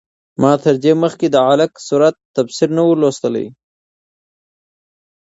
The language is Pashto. ما تر دې مخکې د علق سورت تفسیر نه و لوستی.